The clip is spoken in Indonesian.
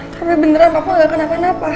tapi beneran aku gak kenapa napa